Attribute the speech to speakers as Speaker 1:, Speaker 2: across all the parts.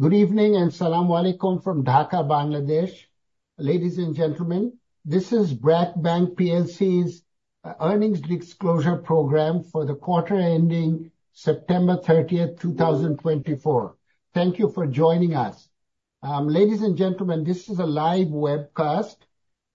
Speaker 1: Good evening and as-salamu alaykum from Dhaka, Bangladesh. Ladies and gentlemen, this is BRAC Bank PLC Earnings Disclosure Program for the quarter ending September 30, 2024. Thank you for joining us. Ladies and gentlemen, this is a live webcast,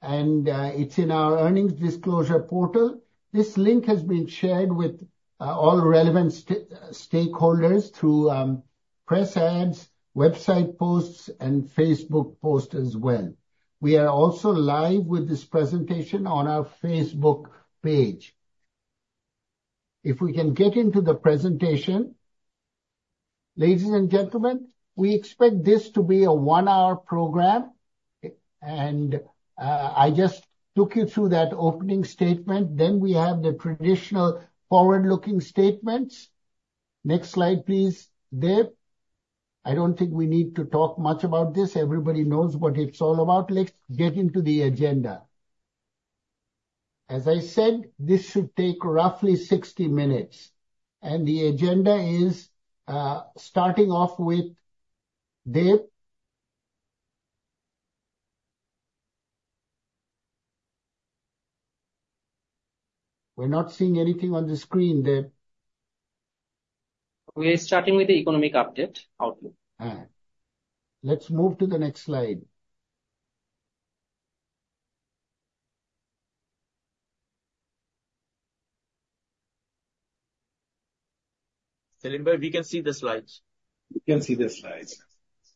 Speaker 1: and it's in our earnings disclosure portal. This link has been shared with all relevant stakeholders through press ads, website posts, and Facebook posts as well. We are also live with this presentation on our Facebook page. If we can get into the presentation. Ladies and gentlemen, we expect this to be a one-hour program, and I just took you through that opening statement. Then we have the traditional forward-looking statements. Next slide, please, Dave. I don't think we need to talk much about this. Everybody knows what it's all about. Let's get into the agenda. As I said, this should take roughly 60 minutes, and the agenda is starting off with Dave. We're not seeing anything on the screen, Dave.
Speaker 2: We're starting with the economic update outlook.
Speaker 1: All right. Let's move to the next slide. Selim Bhai, we can see the slides. We can see the slides.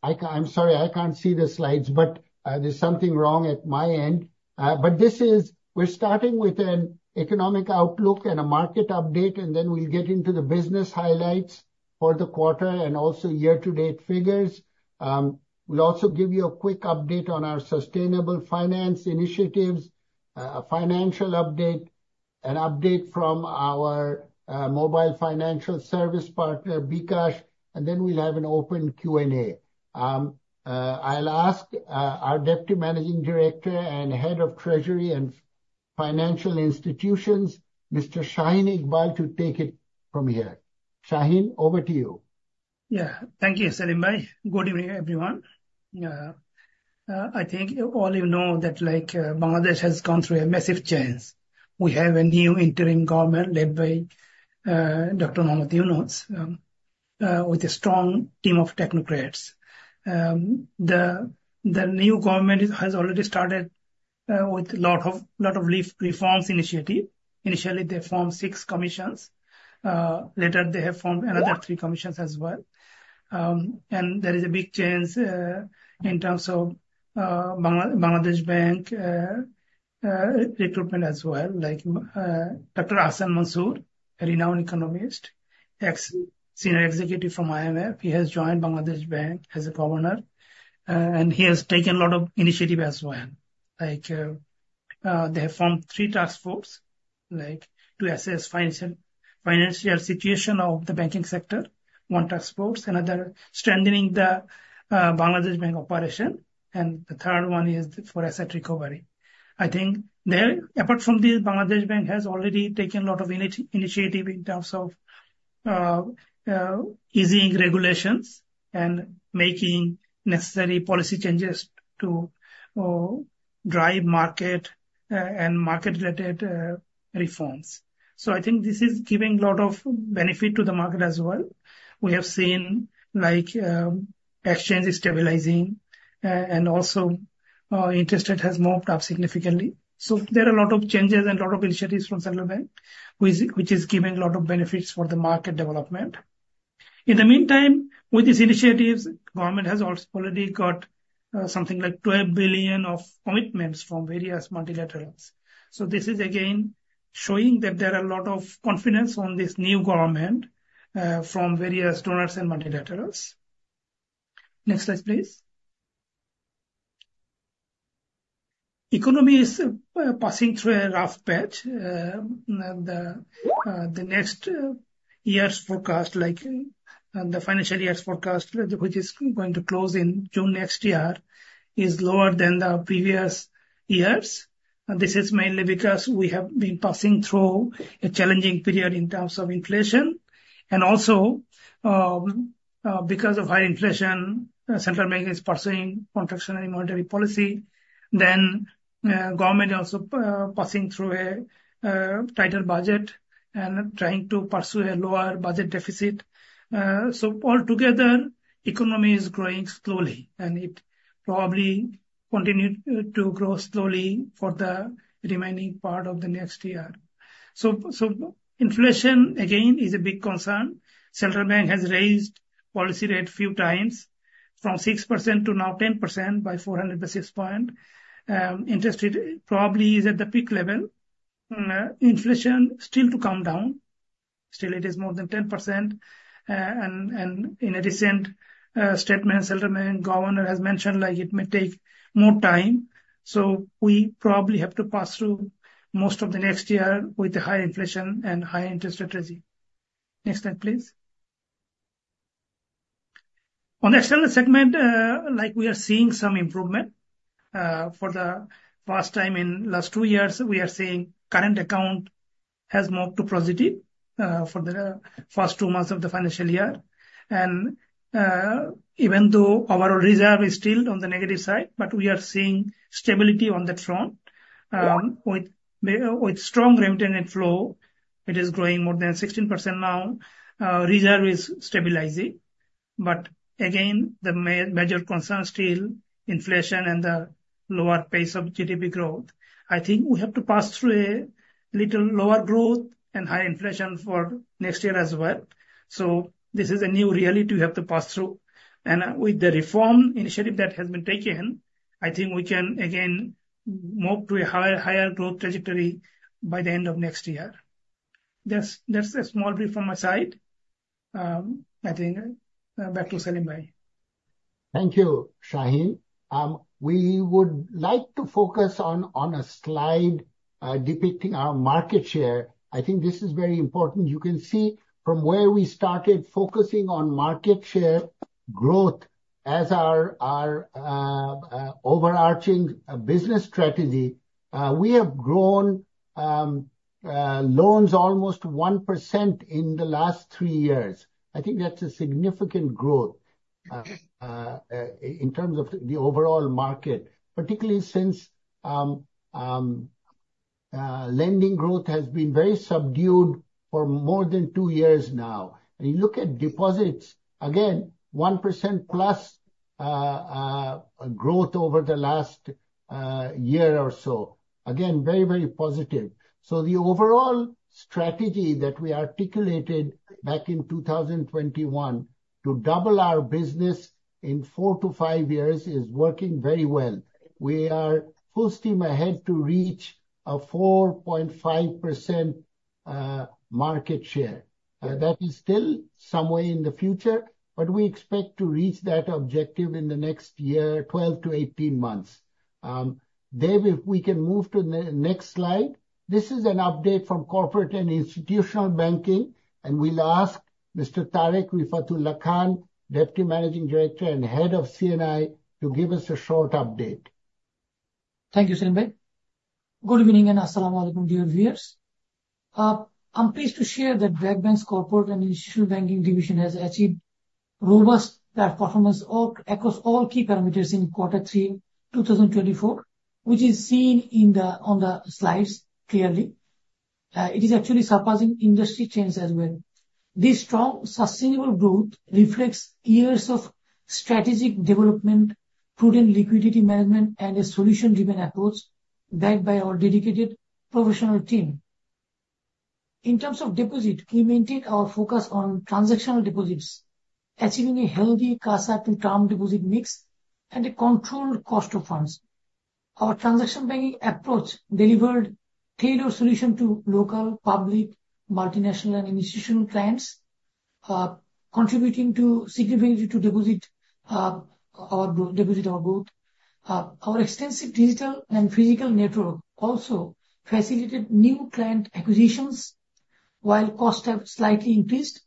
Speaker 1: I'm sorry, I can't see the slides, but there's something wrong at my end. But this is, we're starting with an economic outlook and a market update, and then we'll get into the business highlights for the quarter and also year-to-date figures. We'll also give you a quick update on our sustainable finance initiatives, a financial update, an update from our mobile financial service partner, bKash, and then we'll have an open Q&A. I'll ask our Deputy Managing Director and Head of Treasury and Financial Institutions, Mr. Shaheen Iqbal, to take it from here. Shaheen, over to you.
Speaker 3: Yeah, thank you, Selim Bhai. Good evening, everyone. I think all you know that Bangladesh has gone through a massive change. We have a new interim government led by Dr. Muhammad Yunus with a strong team of technocrats. The new government has already started with a lot of reforms initially. Initially, they formed six commissions. Later, they have formed another three commissions as well. And there is a big change in terms of Bangladesh Bank recruitment as well. Dr. Ahsan H. Mansur, a renowned economist, ex-senior executive from IMF, he has joined Bangladesh Bank as Governor, and he has taken a lot of initiative as well. They have formed three task forces to assess the financial situation of the banking sector: one task force, another strengthening the Bangladesh Bank operation, and the third one is for asset recovery. I think apart from this, Bangladesh Bank has already taken a lot of initiative in terms of easing regulations and making necessary policy changes to drive market and market-related reforms. So I think this is giving a lot of benefit to the market as well. We have seen exchange stabilizing, and also interest rate has moved up significantly. So there are a lot of changes and a lot of initiatives from the central bank, which is giving a lot of benefits for the market development. In the meantime, with these initiatives, government has already got something like BDT 12 billion of commitments from various multilaterals. So this is again showing that there are a lot of confidence on this new government from various donors and multilaterals. Next slide, please. Economy is passing through a rough patch. The next year's forecast, like the financial year's forecast, which is going to close in June next year, is lower than the previous years. This is mainly because we have been passing through a challenging period in terms of inflation and also because of high inflation. Central Bank is pursuing contractionary monetary policy, then government is also passing through a tighter budget and trying to pursue a lower budget deficit, so altogether, economy is growing slowly, and it probably continues to grow slowly for the remaining part of the next year, so inflation again is a big concern. Central Bank has raised policy rate a few times from 6% to now 10% by 400 basis points. Interest rate probably is at the peak level. Inflation still to come down. Still, it is more than 10%, and in a recent statement, Central Bank Governor has mentioned it may take more time. So we probably have to pass through most of the next year with high inflation and high interest rates. Next slide, please. On the external segment, we are seeing some improvement. For the first time in the last two years, we are seeing current account has moved to positive for the first two months of the financial year. And even though our reserve is still on the negative side, we are seeing stability on that front. With strong revenue flow, it is growing more than 16% now. Reserve is stabilizing. But again, the major concern is still inflation and the lower pace of GDP growth. I think we have to pass through a little lower growth and higher inflation for next year as well. So this is a new reality we have to pass through. With the reform initiative that has been taken, I think we can again move to a higher growth trajectory by the end of next year. That's a small brief from my side. I think back to Selim Bhai.
Speaker 1: Thank you, Shaheen. We would like to focus on a slide depicting our market share. I think this is very important. You can see from where we started focusing on market share growth as our overarching business strategy, we have grown loans almost 1% in the last three years. I think that's a significant growth in terms of the overall market, particularly since lending growth has been very subdued for more than two years now, and you look at deposits, again, 1% plus growth over the last year or so. Again, very, very positive, so the overall strategy that we articulated back in 2021 to double our business in four to five years is working very well. We are full steam ahead to reach a 4.5% market share. That is still some way in the future, but we expect to reach that objective in the next year, 12-18 months. Dave, if we can move to the next slide. This is an update from corporate and institutional banking, and we'll ask Mr. Tareq Refat Ullah Khan, Deputy Managing Director and Head of C&I, to give us a short update.
Speaker 4: Thank you, Selim. Good evening and as-salamu alaykum, dear viewers. I'm pleased to share that BRAC Bank's Corporate and Institutional Banking Division has achieved robust performance across all key parameters in Quarter 3, 2024, which is seen on the slides clearly. It is actually surpassing industry trends as well. This strong, sustainable growth reflects years of strategic development, prudent liquidity management, and a solution-driven approach backed by our dedicated professional team. In terms of deposit, we maintain our focus on transactional deposits, achieving a healthy cash-to-term deposit mix and a controlled cost of funds. Our transaction banking approach delivered tailored solutions to local, public, multinational, and institutional clients, contributing significantly to our deposit growth. Our extensive digital and physical network also facilitated new client acquisitions while costs have slightly increased.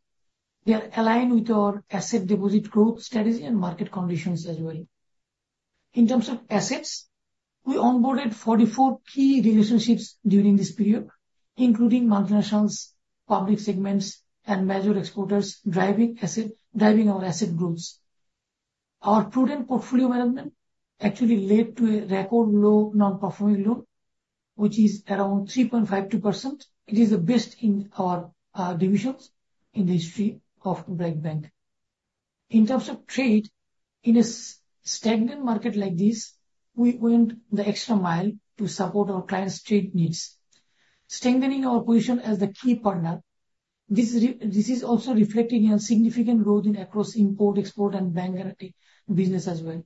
Speaker 4: They are aligned with our asset deposit growth strategy and market conditions as well. In terms of assets, we onboarded 44 key relationships during this period, including multinationals, public segments, and major exporters, driving our asset growth. Our prudent portfolio management actually led to a record low non-performing loan, which is around 3.52%. It is the best in our divisions in the history of BRAC Bank. In terms of trade, in a stagnant market like this, we went the extra mile to support our clients' trade needs, strengthening our position as the key partner. This is also reflecting a significant growth across import, export, and banking business as well.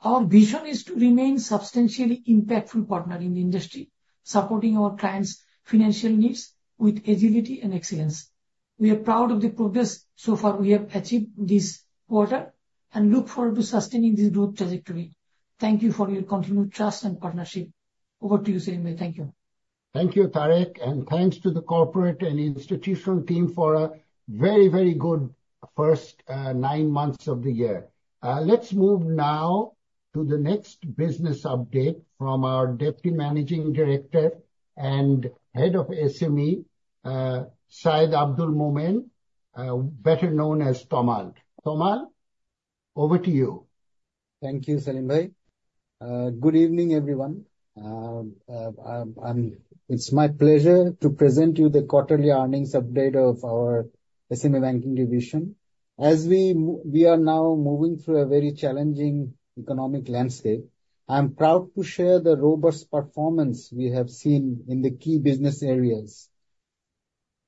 Speaker 4: Our vision is to remain a substantially impactful partner in the industry, supporting our clients' financial needs with agility and excellence. We are proud of the progress so far we have achieved this quarter and look forward to sustaining this growth trajectory. Thank you for your continued trust and partnership. Over to you, Selim Bhai. Thank you.
Speaker 1: Thank you, Tariq, and thanks to the corporate and institutional team for a very, very good first nine months of the year. Let's move now to the next business update from our Deputy Managing Director and Head of SME, Syed Abdul Momen, better known as Tomal. Tomal, over to you.
Speaker 5: Thank you, Selim Bhai. Good evening, everyone. It's my pleasure to present to you the quarterly earnings update of our SME Banking Division. As we are now moving through a very challenging economic landscape, I'm proud to share the robust performance we have seen in the key business areas.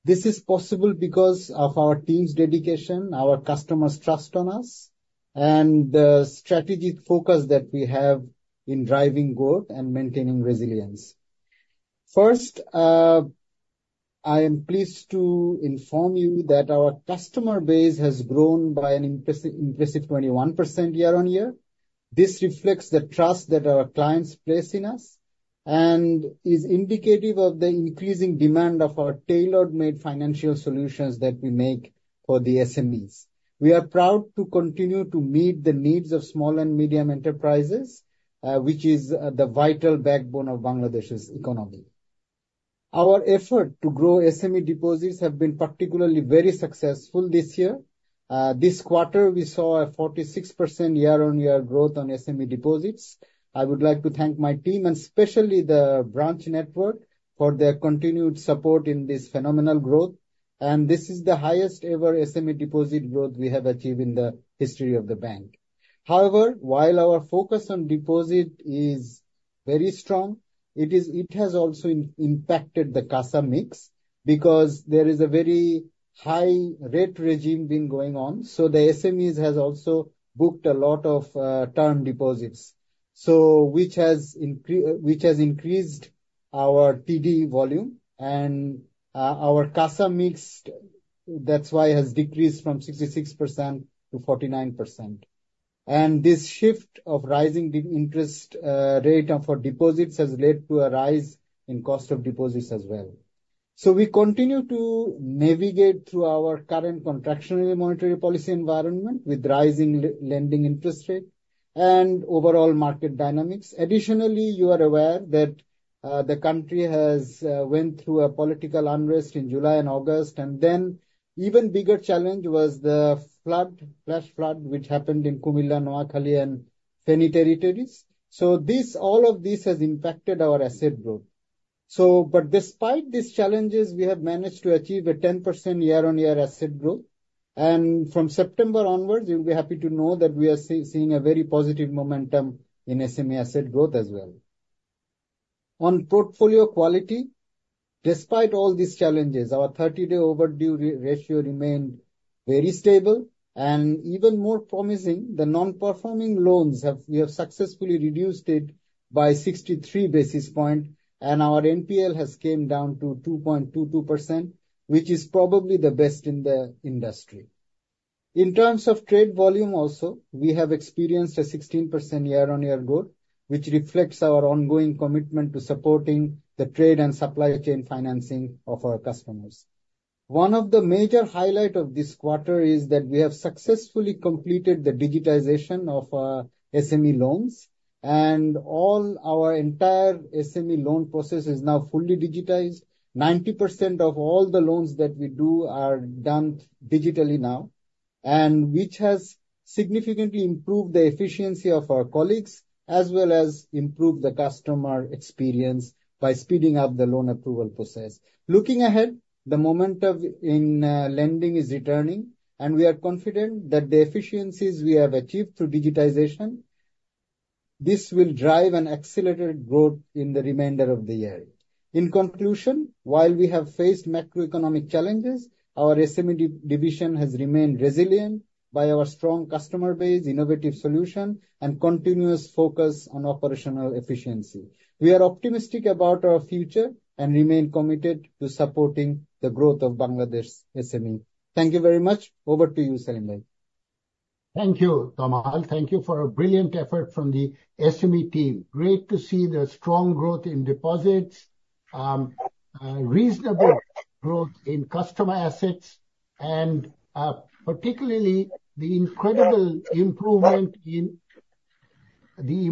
Speaker 5: This is possible because of our team's dedication, our customers' trust in us, and the strategic focus that we have in driving growth and maintaining resilience. First, I am pleased to inform you that our customer base has grown by an impressive 21% year-on-year. This reflects the trust that our clients place in us and is indicative of the increasing demand for tailor-made financial solutions that we make for the SMEs. We are proud to continue to meet the needs of small and medium enterprises, which is the vital backbone of Bangladesh's economy. Our efforts to grow SME deposits have been particularly very successful this year. This quarter, we saw a 46% year-on-year growth on SME deposits. I would like to thank my team and especially the branch network for their continued support in this phenomenal growth, and this is the highest-ever SME deposit growth we have achieved in the history of the bank. However, while our focus on deposit is very strong, it has also impacted the cash mix because there is a very high rate regime going on, so the SMEs have also booked a lot of term deposits, which has increased our TD volume, and our cash mix, that's why it has decreased from 66% to 49%. And this shift of rising interest rate for deposits has led to a rise in the cost of deposits as well. We continue to navigate through our current contractionary monetary policy environment with rising lending interest rates and overall market dynamics. Additionally, you are aware that the country has gone through a political unrest in July and August. Then an even bigger challenge was the flash flood, which happened in Cumilla, Noakhali, and Feni territories. All of this has impacted our asset growth. Despite these challenges, we have managed to achieve a 10% year-on-year asset growth. From September onwards, you'll be happy to know that we are seeing a very positive momentum in SME asset growth as well. On portfolio quality, despite all these challenges, our 30-day overdue ratio remained very stable and even more promising. The non-performing loans, we have successfully reduced it by 63 basis points, and our NPL has come down to 2.22%, which is probably the best in the industry. In terms of trade volume also, we have experienced a 16% year-on-year growth, which reflects our ongoing commitment to supporting the trade and supply chain financing of our customers. One of the major highlights of this quarter is that we have successfully completed the digitization of our SME loans, and all our entire SME loan process is now fully digitized. 90% of all the loans that we do are done digitally now, which has significantly improved the efficiency of our colleagues as well as improved the customer experience by speeding up the loan approval process. Looking ahead, the momentum in lending is returning, and we are confident that the efficiencies we have achieved through digitization. This will drive an accelerated growth in the remainder of the year. In conclusion, while we have faced macroeconomic challenges, our SME division has remained resilient by our strong customer base, innovative solutions, and continuous focus on operational efficiency. We are optimistic about our future and remain committed to supporting the growth of Bangladesh's SME. Thank you very much. Over to you, Selim Bhai.
Speaker 1: Thank you, Tomal. Thank you for a brilliant effort from the SME team. Great to see the strong growth in deposits, reasonable growth in customer assets, and particularly the incredible improvement in the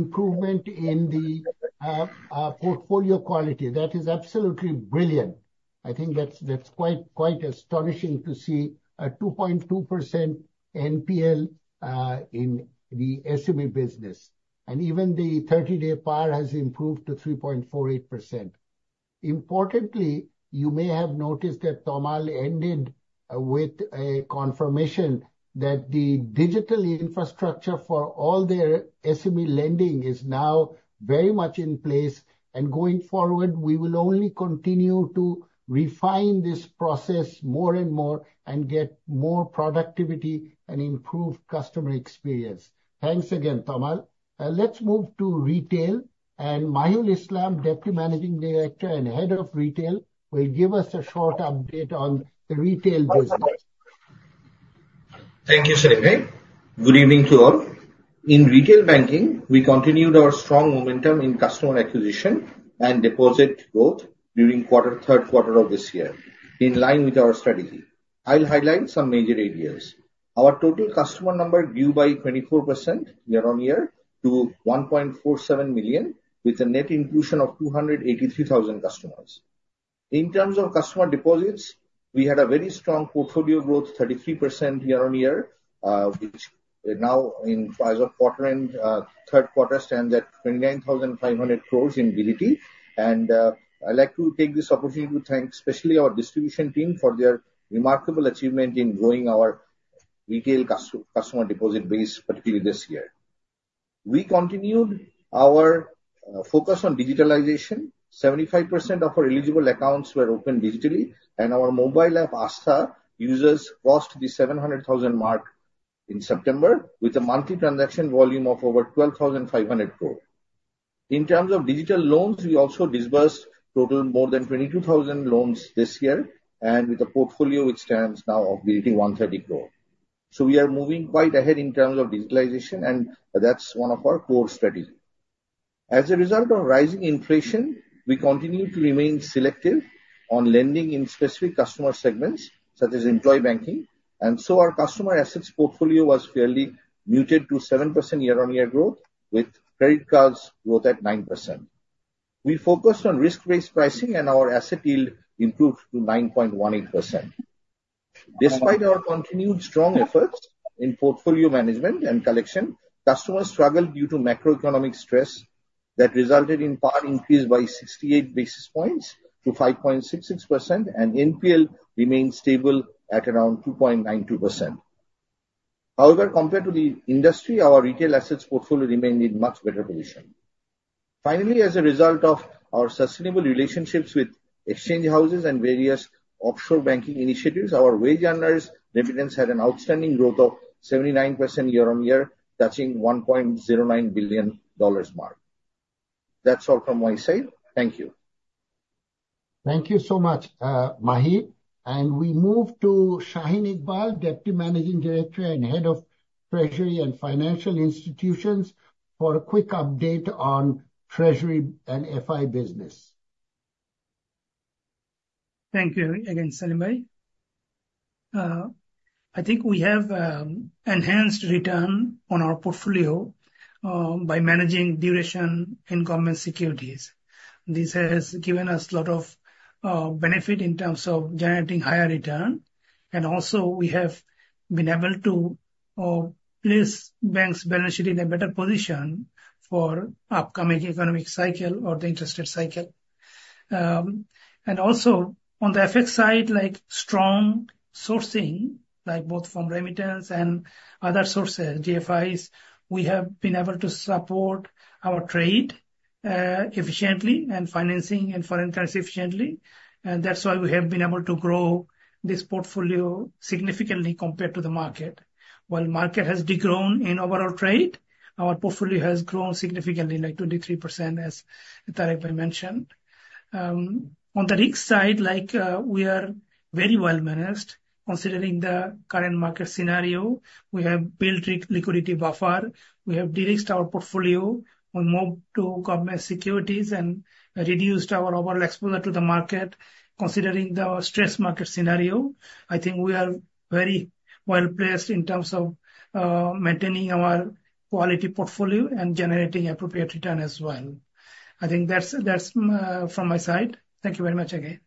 Speaker 1: portfolio quality. That is absolutely brilliant. I think that's quite astonishing to see a 2.2% NPL in the SME business, and even the 30-day PAR has improved to 3.48%. Importantly, you may have noticed that Tomal ended with a confirmation that the digital infrastructure for all their SME lending is now very much in place, and going forward, we will only continue to refine this process more and more and get more productivity and improved customer experience. Thanks again, Tomal. Let's move to retail, and Mahiul Islam, Deputy Managing Director and Head of Retail, will give us a short update on the retail business.
Speaker 6: Thank you, Selim Bhai. Good evening to all. In retail banking, we continued our strong momentum in customer acquisition and deposit growth during the third quarter of this year, in line with our strategy. I'll highlight some major areas. Our total customer number grew by 24% year-on-year to 1.47 million, with a net inclusion of 283,000 customers. In terms of customer deposits, we had a very strong portfolio growth, 33% year-on-year, which now, as of quarter and third quarter, stands at BDT 29,500 crores. I'd like to take this opportunity to thank especially our distribution team for their remarkable achievement in growing our retail customer deposit base, particularly this year, and we continued our focus on digitalization. 75% of our eligible accounts were opened digitally, and our mobile app, Astha, users crossed the 700,000 mark in September, with a monthly transaction volume of over BDT 12,500 crores. In terms of digital loans, we also disbursed a total of more than 22,000 loans this year, and with a portfolio which stands now at BDT 130 crores, so we are moving quite ahead in terms of digitalization, and that's one of our core strategies. As a result of rising inflation, we continue to remain selective on lending in specific customer segments, such as employee banking, and so our customer assets portfolio was fairly muted to 7% year-on-year growth, with credit cards growth at 9%. We focused on risk-based pricing, and our asset yield improved to 9.18%. Despite our continued strong efforts in portfolio management and collection, customers struggled due to macroeconomic stress that resulted in PAR increased by 68 basis points to 5.66%, and NPL remained stable at around 2.92%. However, compared to the industry, our retail assets portfolio remained in much better position. Finally, as a result of our sustainable relationships with exchange houses and various offshore banking initiatives, our wage earners' dividends had an outstanding growth of 79% year-on-year, touching $1.09 billion mark. That's all from my side. Thank you.
Speaker 1: Thank you so much, Mahiul. And we move to Shaheen Iqbal, Deputy Managing Director and Head of Treasury and Financial Institutions, for a quick update on Treasury and FI business.
Speaker 3: Thank you again, Selim. I think we have enhanced return on our portfolio by managing duration in government securities. This has given us a lot of benefit in terms of generating higher return. And also, we have been able to place banks' balance sheets in a better position for the upcoming economic cycle or the interest rate cycle. And also, on the FX side, like strong sourcing, like both from remittance and other sources, GFIs, we have been able to support our trade efficiently and financing and foreign currency efficiently. And that's why we have been able to grow this portfolio significantly compared to the market. While the market has degrown in overall trade, our portfolio has grown significantly, like 23%, as Tareq mentioned. On the risk side, we are very well-managed. Considering the current market scenario, we have built liquidity buffer. We have de-risked our portfolio, moved to government securities, and reduced our overall exposure to the market. Considering the stress market scenario, I think we are very well-placed in terms of maintaining our quality portfolio and generating appropriate return as well. I think that's from my side. Thank you very much again.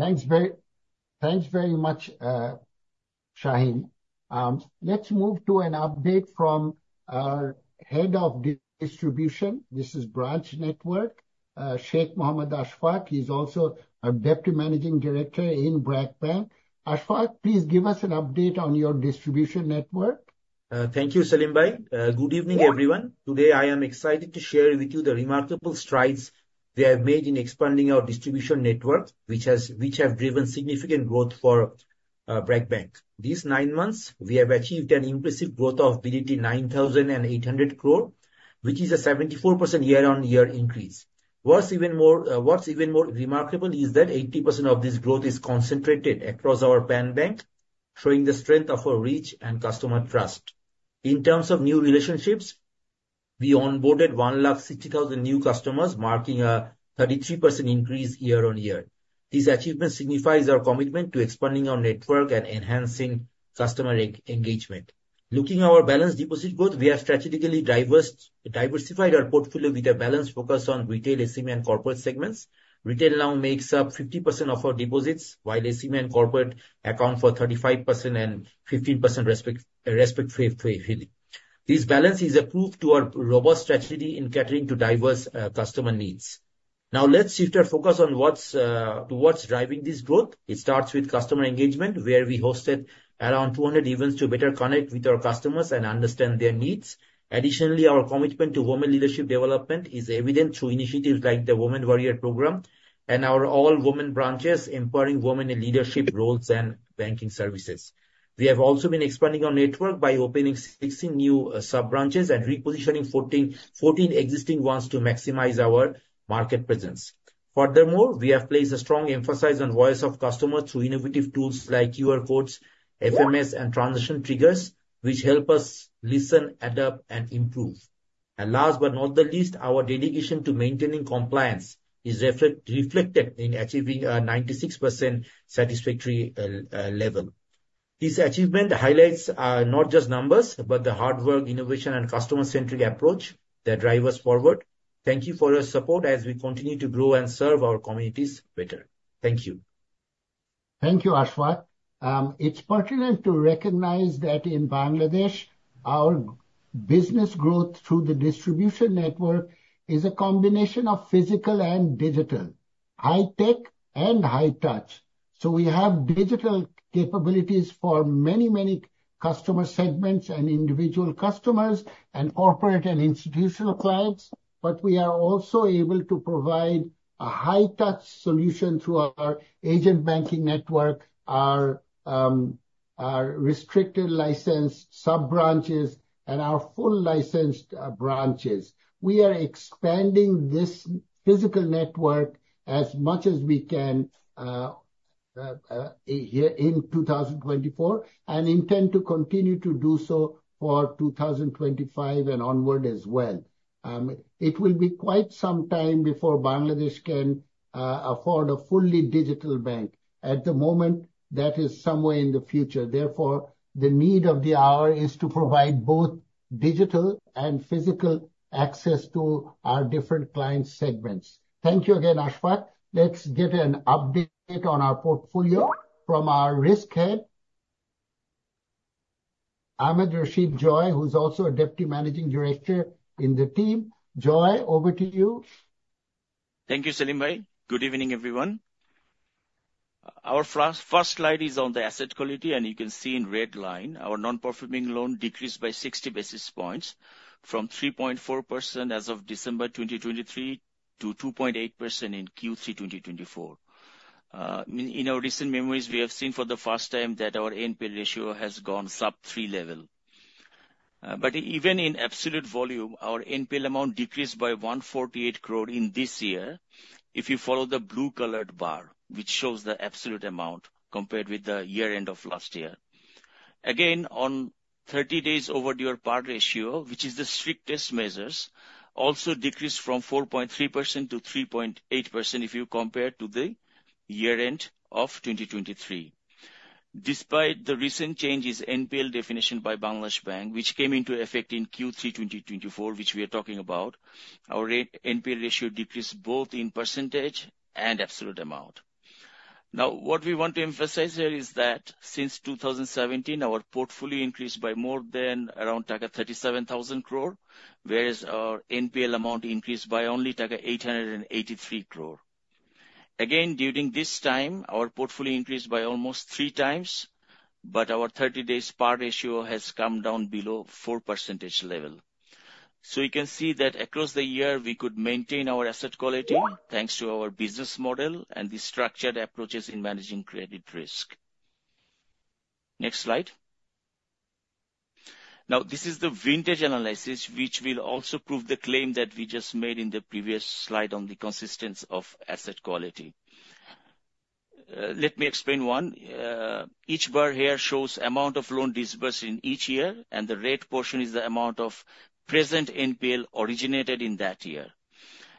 Speaker 1: Thanks very much, Shaheen. Let's move to an update from our Head of Distribution. This is Branch Network, Sheikh Mohammad Ashfaque. He's also our Deputy Managing Director in BRAC Bank. Ashfaque, please give us an update on your distribution network.
Speaker 7: Thank you, Selim. Good evening, everyone. Today, I am excited to share with you the remarkable strides we have made in expanding our distribution network, which have driven significant growth for BRAC Bank. These nine months, we have achieved an impressive growth of BDT 9,800 crores, which is a 74% year-on-year increase. What's even more remarkable is that 80% of this growth is concentrated across our PAN Bank, showing the strength of our reach and customer trust. In terms of new relationships, we onboarded 160,000 new customers, marking a 33% increase year-on-year. These achievements signify our commitment to expanding our network and enhancing customer engagement. Looking at our balance deposit growth, we have strategically diversified our portfolio with a balance focused on retail, SME, and corporate segments. Retail now makes up 50% of our deposits, while SME and corporate account for 35% and 15% respectively. This balance is a proof to our robust strategy in catering to diverse customer needs. Now, let's shift our focus towards driving this growth. It starts with customer engagement, where we hosted around 200 events to better connect with our customers and understand their needs. Additionally, our commitment to women leadership development is evident through initiatives like the Women Warrior Program and our All Women Branches, empowering women in leadership roles and banking services. We have also been expanding our network by opening 16 new sub-branches and repositioning 14 existing ones to maximize our market presence. Furthermore, we have placed a strong emphasis on voice of customers through innovative tools like QR codes, FMS, and transition triggers, which help us listen, adapt, and improve. And last but not the least, our dedication to maintaining compliance is reflected in achieving a 96% satisfactory level. This achievement highlights not just numbers, but the hard work, innovation, and customer-centric approach that drive us forward. Thank you for your support as we continue to grow and serve our communities better. Thank you.
Speaker 1: Thank you, Ashfaque. It's pertinent to recognize that in Bangladesh, our business growth through the distribution network is a combination of physical and digital, high-tech, and high-touch. So we have digital capabilities for many, many customer segments and individual customers and corporate and institutional clients. But we are also able to provide a high-touch solution through our agent banking network, our restricted licensed sub-branches, and our full licensed branches. We are expanding this physical network as much as we can here in 2024 and intend to continue to do so for 2025 and onward as well. It will be quite some time before Bangladesh can afford a fully digital bank. At the moment, that is somewhere in the future. Therefore, the need of the hour is to provide both digital and physical access to our different client segments. Thank you again, Ashfaque. Let's get an update on our portfolio from our risk head, Ahmed Rashid Joy, who's also a Deputy Managing Director in the team. Joy, over to you.
Speaker 8: Thank you, Selim. Good evening, everyone. Our first slide is on the asset quality, and you can see in the red line, our non-performing loan decreased by 60 basis points from 3.4% as of December 2023 to 2.8% in Q3 2024. In our recent memories, we have seen for the first time that our NPL ratio has gone sub-3 level. But even in absolute volume, our NPL amount decreased by BDT 148 crore in this year if you follow the blue-colored bar, which shows the absolute amount compared with the year-end of last year. Again, on 30 days overdue PAR ratio, which is the strictest measures, also decreased from 4.3% to 3.8% if you compare to the year-end of 2023. Despite the recent changes in NPL definition by Bangladesh Bank, which came into effect in Q3 2024, which we are talking about, our NPL ratio decreased both in percentage and absolute amount. Now, what we want to emphasize here is that since 2017, our portfolio increased by more than around BDT 37,000 crores, whereas our NPL amount increased by only BDT 883 crores. Again, during this time, our portfolio increased by almost three times, but our 30-day PAR ratio has come down below 4% level. So you can see that across the year, we could maintain our asset quality thanks to our business model and the structured approaches in managing credit risk. Next slide. Now, this is the vintage analysis, which will also prove the claim that we just made in the previous slide on the consistency of asset quality. Let me explain one. Each bar here shows the amount of loan disbursed in each year, and the red portion is the amount of present NPL originated in that year,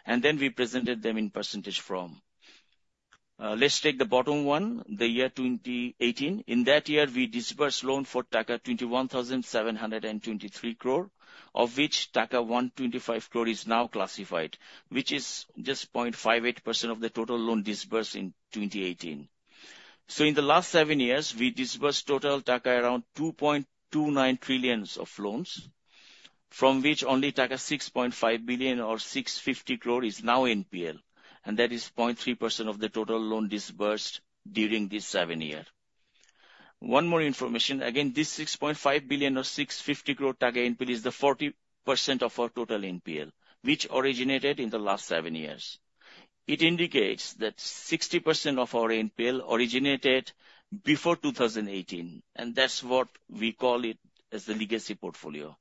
Speaker 8: and then we presented them in percentage form. Let's take the bottom one, the year 2018. In that year, we disbursed loans for Taka 21,723 crores, of which Taka 125 crores is now classified, which is just 0.58% of the total loan disbursed in 2018. So in the last seven years, we disbursed total Taka around 2.29 trillion of loans, from which only Taka 6.5 billion or 650 crores is now NPL, and that is 0.3% of the total loan disbursed during this seven year. One more information. Again, this BDT 6.5 billion or BDT 650 crores Taka NPL is the 40% of our total NPL, which originated in the last seven years. It indicates that 60% of our NPL originated before 2018, and that's what we call it as the legacy portfolio.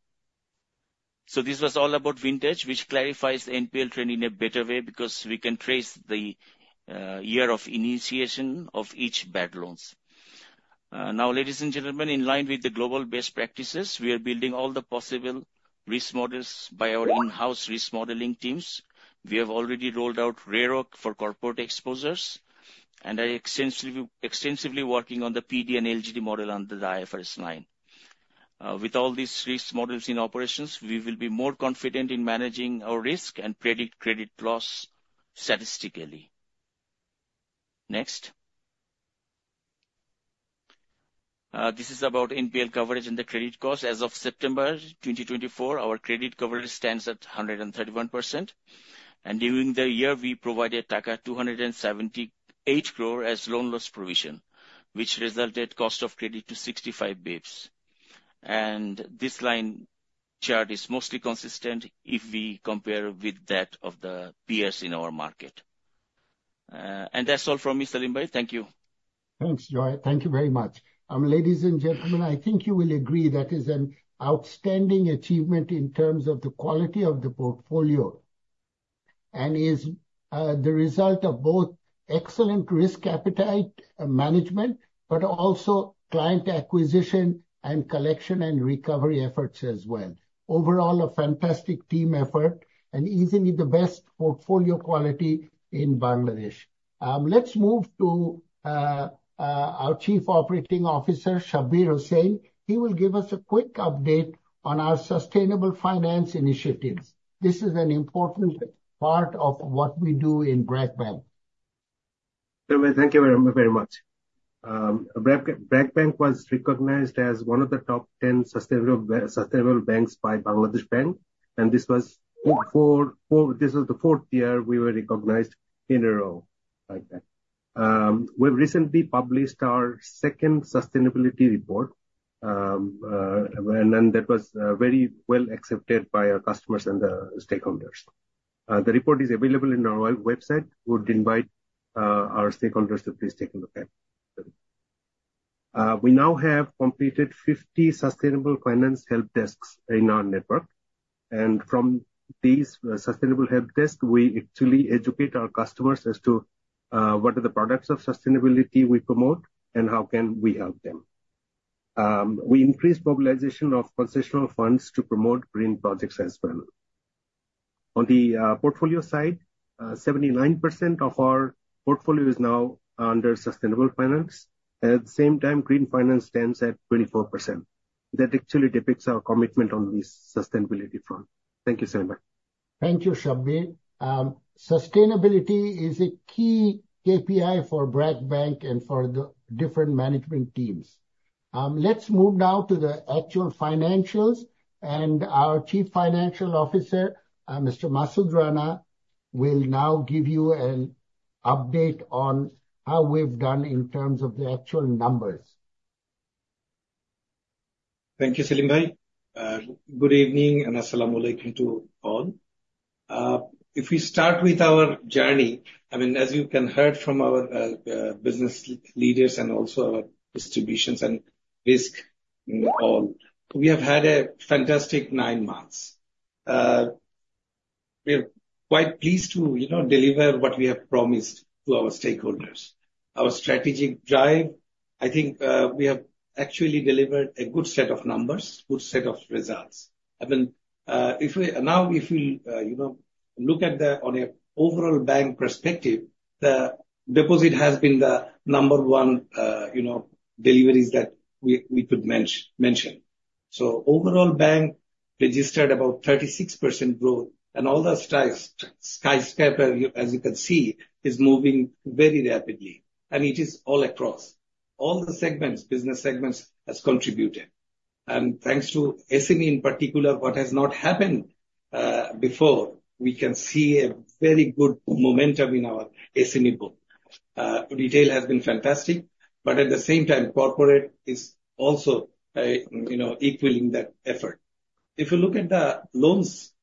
Speaker 8: So this was all about vintage, which clarifies the NPL trend in a better way because we can trace the year of initiation of each bad loans. Now, ladies and gentlemen, in line with the global best practices, we are building all the possible risk models by our in-house risk modeling teams. We have already rolled out RAROC for corporate exposures, and are extensively working on the PD and LGD model under the IFRS 9. With all these risk models in operations, we will be more confident in managing our risk and predict credit loss statistically. Next. This is about NPL coverage and the credit cost. As of September 2024, our credit coverage stands at 131%. During the year, we provided BDT 278 crores as loan loss provision, which resulted in the cost of credit to 65 basis points. This line chart is mostly consistent if we compare with that of the peers in our market. That's all from me, Selim Bhai. Thank you.
Speaker 1: Thanks, Joy. Thank you very much. Ladies and gentlemen, I think you will agree that is an outstanding achievement in terms of the quality of the portfolio and is the result of both excellent risk appetite management, but also client acquisition and collection and recovery efforts as well. Overall, a fantastic team effort and easily the best portfolio quality in Bangladesh. Let's move to our Chief Operating Officer, Sabbir Hossain. He will give us a quick update on our sustainable finance initiatives. This is an important part of what we do in BRAC Bank.
Speaker 9: Thank you very much. BRAC Bank was recognized as one of the top 10 sustainable banks by Bangladesh Bank. And this was the fourth year we were recognized in a row like that. We have recently published our second sustainability report, and that was very well accepted by our customers and the stakeholders. The report is available on our website. We would invite our stakeholders to please take a look at it. We now have completed 50 sustainable finance help desks in our network. And from these sustainable help desks, we actually educate our customers as to what are the products of sustainability we promote and how can we help them. We increased mobilization of concessional funds to promote green projects as well. On the portfolio side, 79% of our portfolio is now under sustainable finance. At the same time, green finance stands at 24%. That actually depicts our commitment on this sustainability front. Thank you, Selim Bhai.
Speaker 1: Thank you, Sabbir. Sustainability is a key KPI for BRAC Bank and for the different management teams. Let's move now to the actual financials. Our Chief Financial Officer, Mr. Masud Rana, will now give you an update on how we've done in terms of the actual numbers.
Speaker 10: Thank you, Selim Bhai. Good evening and as-salamu alaykum to all. If we start with our journey, I mean, as you can heard from our business leaders and also our distributions and risk in all, we have had a fantastic nine months. We are quite pleased to deliver what we have promised to our stakeholders. Our strategic drive, I think we have actually delivered a good set of numbers, good set of results. I mean, now if you look at the overall bank perspective, the deposit has been the number one delivery that we could mention. So overall bank registered about 36% growth, and all the skyscraper, as you can see, is moving very rapidly, and it is all across. All the segments, business segments has contributed, and thanks to SME in particular, what has not happened before, we can see a very good momentum in our SME board. Retail has been fantastic. But at the same time, corporate is also equaling that effort. If you look at the loans,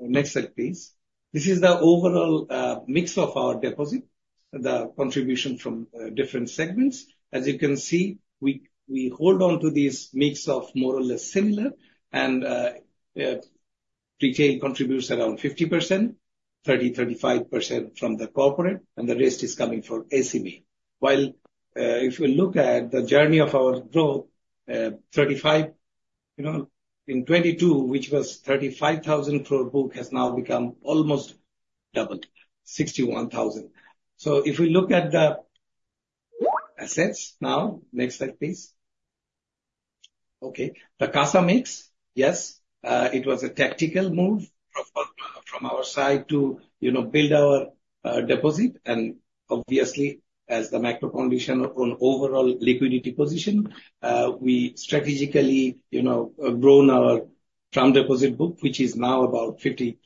Speaker 10: next slide, please. This is the overall mix of our deposit, the contribution from different segments. As you can see, we hold on to this mix of more or less similar. And retail contributes around 50%, 30%-35% from the corporate, and the rest is coming from SME. While if you look at the journey of our growth, in 2022, which was 35,000 crore book, has now become almost double, 61,000. So if we look at the assets now, next slide, please. Okay. The CASA mix, yes, it was a tactical move from our side to build our deposit. And obviously, as the macro condition on overall liquidity position, we strategically grown our term deposit book, which is now about 57%.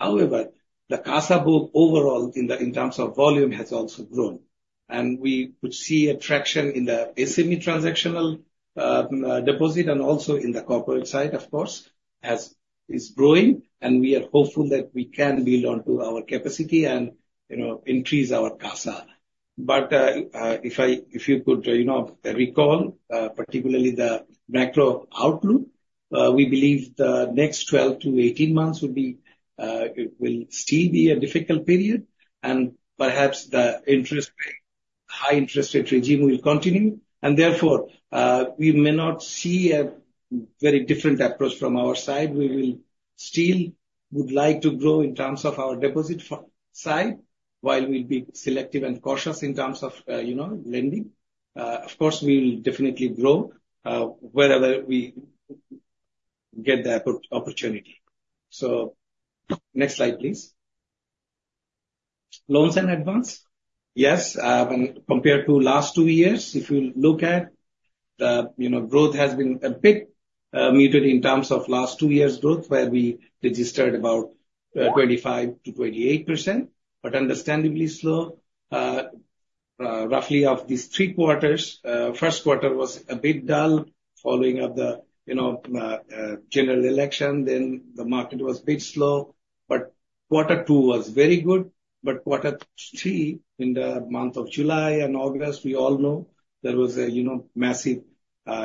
Speaker 10: However, the CASA book overall in terms of volume has also grown. And we would see attraction in the SME transactional deposit and also in the corporate side, of course, is growing. And we are hopeful that we can build on to our capacity and increase our CASA. But if you could recall, particularly the macro outlook, we believe the next 12-18 months will still be a difficult period. And perhaps the high interest rate regime will continue. And therefore, we may not see a very different approach from our side. We will still would like to grow in terms of our deposit side while we'll be selective and cautious in terms of lending. Of course, we will definitely grow wherever we get the opportunity. So next slide, please. Loans and advances. Yes, compared to last two years, if you look at the growth has been a bit muted in terms of last two years' growth, where we registered about 25%-28%, but understandably slow. Roughly of these three quarters, first quarter was a bit dull following up the general election. Then the market was a bit slow. But quarter two was very good. But quarter three in the month of July and August, we all know there was a massive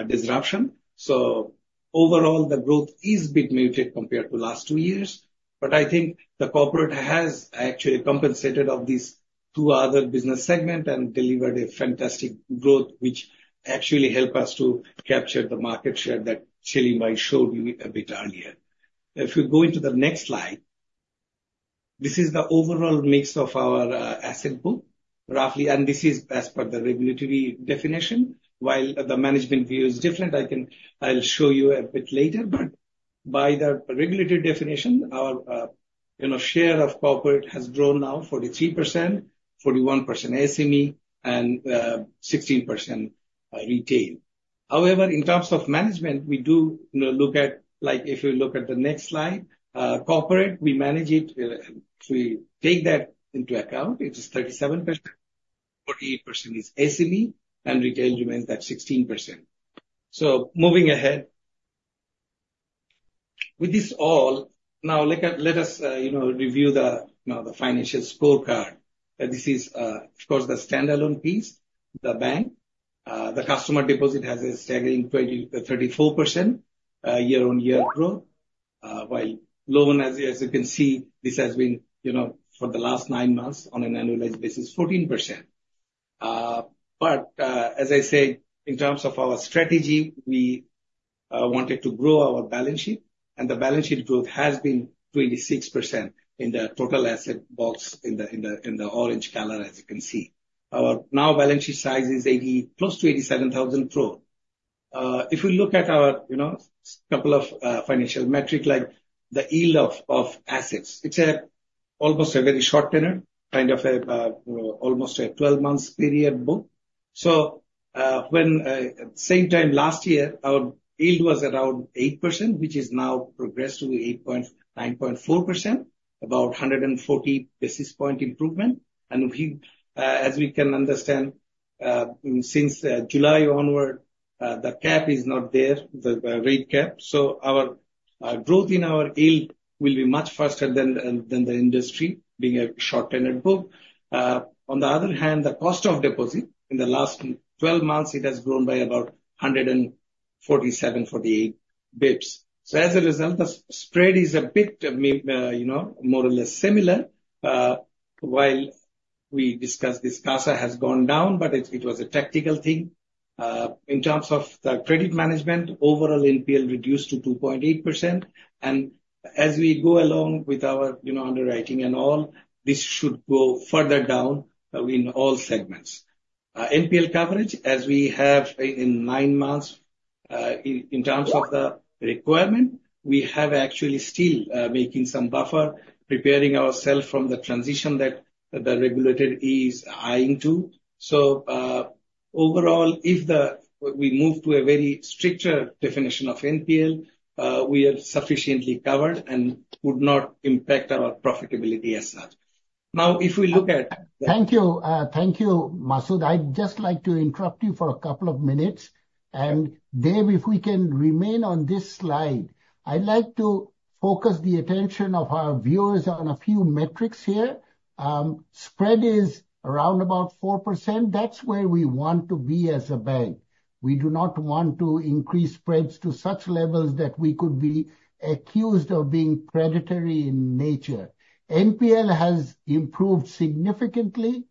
Speaker 10: disruption. So overall, the growth is a bit muted compared to last two years. But I think the corporate has actually compensated of these two other business segments and delivered a fantastic growth, which actually helped us to capture the market share that Selim showed you a bit earlier. If you go into the next slide, this is the overall mix of our asset book. This is as per the regulatory definition. While the management view is different, I'll show you a bit later. By the regulatory definition, our share of corporate has grown now 43%, 41% SME, and 16% retail. However, in terms of management, we do look at, like if you look at the next slide, corporate, we manage it. If we take that into account, it is 37%. 48% is SME, and retail remains at 16%. Moving ahead. With this all, now let us review the financial scorecard. This is, of course, the standalone piece, the bank. The customer deposit has a staggering 34% year-on-year growth. While loan, as you can see, this has been for the last nine months on an annualized basis, 14%. As I said, in terms of our strategy, we wanted to grow our balance sheet. The balance sheet growth has been 26% in the total asset box in the orange color, as you can see. Our now balance sheet size is close to BDT 87,000 crores. If we look at our couple of financial metrics, like the yield of assets, it's almost a very short-term, kind of almost a 12-month period book. At the same time last year, our yield was around 8%, which has now progressed to 8.94%, about 140 basis points improvement. As we can understand, since July onward, the cap is not there, the rate cap. Our growth in our yield will be much faster than the industry being a short-term book. On the other hand, the cost of deposit in the last 12 months, it has grown by about 147-148 basis points. As a result, the spread is a bit more or less similar. While we discussed this CASA has gone down, but it was a tactical thing. In terms of the credit management, overall NPL reduced to 2.8%, and as we go along with our underwriting and all, this should go further down in all segments. NPL coverage, as we have in nine months, in terms of the requirement, we have actually still making some buffer, preparing ourselves from the transition that the regulator is eyeing to, so overall, if we move to a very stricter definition of NPL, we are sufficiently covered and would not impact our profitability as such. Now, if we look at.
Speaker 1: Thank you, Masud. I'd just like to interrupt you for a couple of minutes, and Dave, if we can remain on this slide, I'd like to focus the attention of our viewers on a few metrics here. Spread is around about 4%. That's where we want to be as a bank. We do not want to increase spreads to such levels that we could be accused of being predatory in nature. NPL has improved significantly.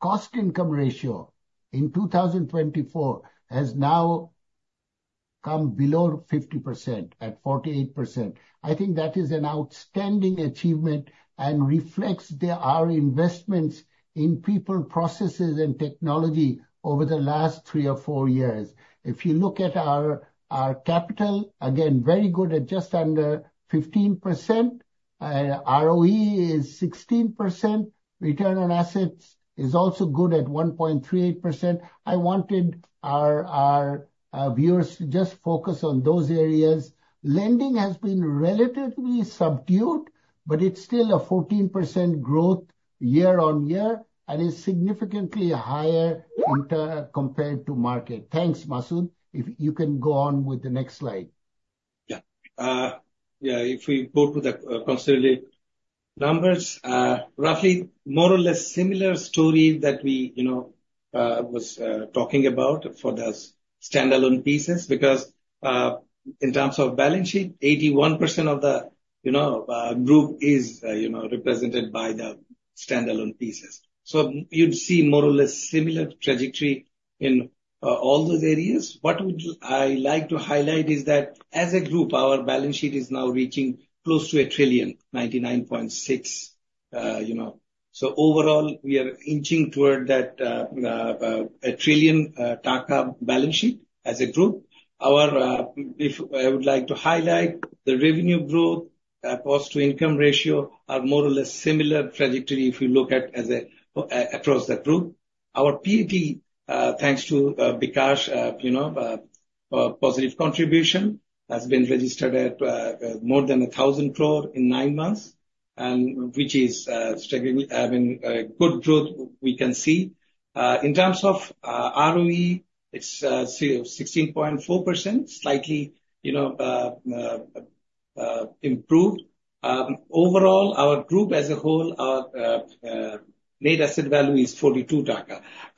Speaker 1: Cost-to-income ratio in 2024 has now come below 50% at 48%. I think that is an outstanding achievement and reflects our investments in people, processes, and technology over the last three or four years. If you look at our capital, again, very good at just under 15%. ROE is 16%. Return on assets is also good at 1.38%. I wanted our viewers to just focus on those areas. Lending has been relatively subdued, but it's still a 14% growth year-on-year and is significantly higher compared to market. Thanks, Masud. If you can go on with the next slide.
Speaker 10: Yeah. Yeah. If we go to the consolidated numbers, roughly more or less similar story that we was talking about for the standalone pieces because in terms of balance sheet, 81% of the group is represented by the standalone pieces. So you'd see more or less similar trajectory in all those areas. What I'd like to highlight is that as a group, our balance sheet is now reaching close to a trillion, 99.6. So overall, we are inching toward that a trillion BDT balance sheet as a group. I would like to highlight the revenue growth, cost-to-income ratio are more or less similar trajectory if you look at across the group. Our PT, thanks to bKash, positive contribution has been registered at more than BDT 1,000 crore in nine months, which is a good growth we can see. In terms of ROE, it's 16.4%, slightly improved. Overall, our group as a whole, our net asset value is BDT 42.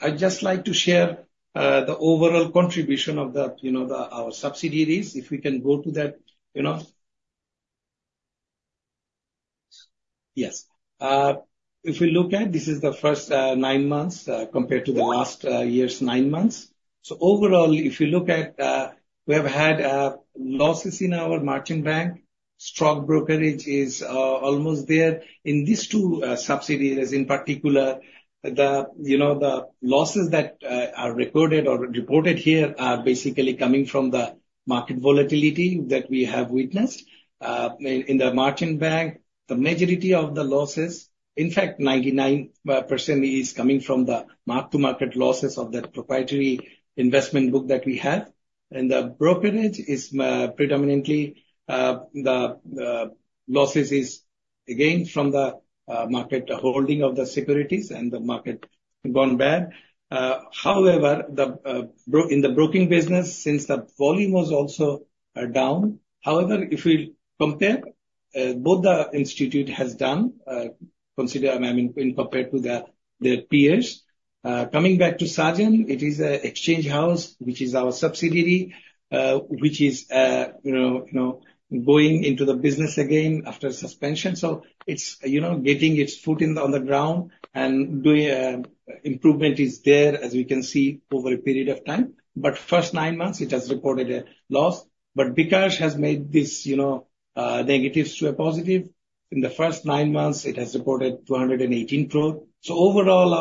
Speaker 10: I'd just like to share the overall contribution of our subsidiaries if we can go to that. Yes. If we look at, this is the first nine months compared to the last year's nine months. So overall, if you look at, we have had losses in our margin bank. Stock brokerage is almost there. In these two subsidiaries in particular, the losses that are recorded or reported here are basically coming from the market volatility that we have witnessed in the margin bank. The majority of the losses, in fact, 99% is coming from the mark-to-market losses of the proprietary investment book that we have. And the brokerage is predominantly the losses is again from the market holding of the securities and the market gone bad. However, in the broking business, since the volume was also down, however, if we compare both the institute has done, consider compared to their peers. Coming back to Saajan, it is an exchange house, which is our subsidiary, which is going into the business again after suspension. So it's getting its foot on the ground and improvement is there, as we can see over a period of time. But first nine months, it has reported a loss. But bKash has made this negative to a positive. In the first nine months, it has reported BDT 218 crore. So overall,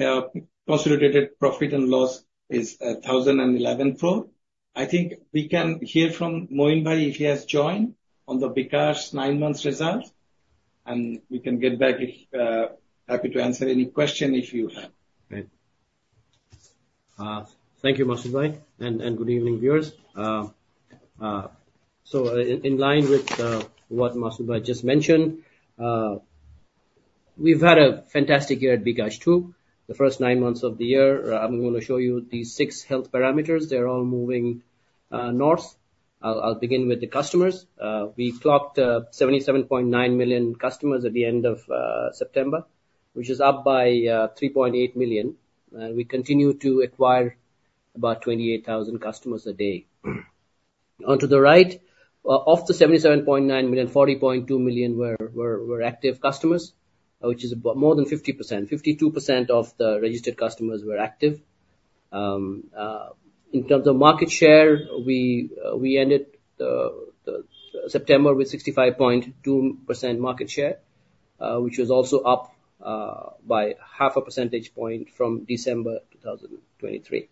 Speaker 10: our consolidated profit and loss is BDT 1,011 crore. I think we can hear from Mohin Bhai if he has joined on the bKash nine-month results. And we can get back happy to answer any question if you have. Thank you, Masud Bhai. And good evening, viewers. So in line with what Masud Bhai just mentioned, we've had a fantastic year at bKash too. The first nine months of the year, I'm going to show you these six health parameters. They're all moving north. I'll begin with the customers. We clocked 77.9 million customers at the end of September, which is up by 3.8 million. We continue to acquire about 28,000 customers a day. Onto the right, of the 77.9 million, 40.2 million were active customers, which is more than 50%. 52% of the registered customers were active. In terms of market share, we ended September with 65.2% market share, which was also up by half a percentage point from December 2023.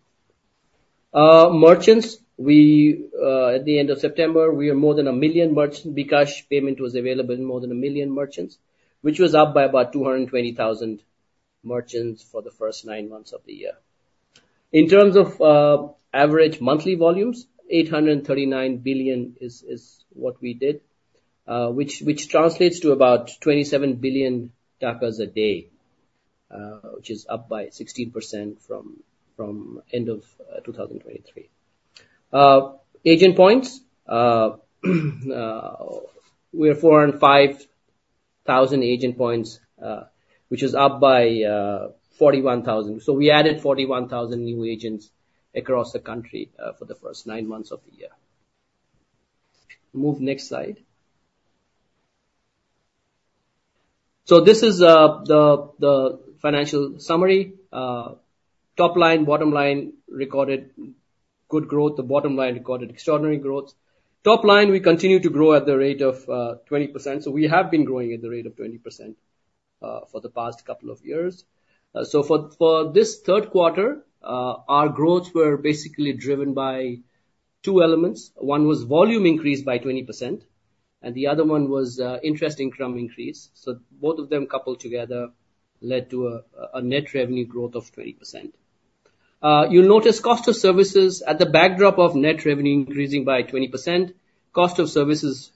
Speaker 10: Merchants, at the end of September, we were more than a million merchants. bKash payment was available in more than a million merchants, which was up by about 220,000 merchants for the first nine months of the year. In terms of average monthly volumes, BDT 839 billion is what we did, which translates to about BDT 27 billion Takas a day, which is up by 16% from end of 2023. Agent points, we are 405,000 agent points, which is up by 41,000. So we added 41,000 new agents across the country for the first nine months of the year. Move next slide. So this is the financial summary. Top line, bottom line recorded good growth. The bottom line recorded extraordinary growth. Top line, we continue to grow at the rate of 20%. So we have been growing at the rate of 20% for the past couple of years. So for this third quarter, our growths were basically driven by two elements. One was volume increased by 20%, and the other one was interest income increase. So both of them coupled together led to a net revenue growth of 20%. You'll notice cost of services at the backdrop of net revenue increasing by 20%, cost of services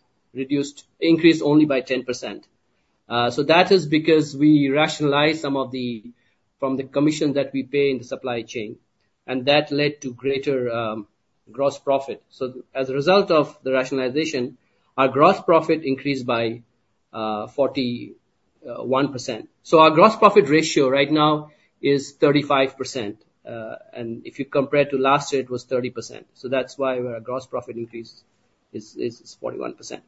Speaker 10: increased only by 10%. So that is because we rationalized some from the commission that we pay in the supply chain. And that led to greater gross profit. So as a result of the rationalization, our gross profit increased by 41%. So our gross profit ratio right now is 35%. And if you compare to last year, it was 30%. So that's why our gross profit increase is 41%.